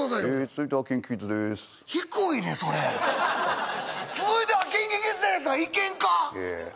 続いてはＫｉｎＫｉＫｉｄｓです続いてはＫｉｎＫｉＫｉｄｓです！とかいけんか？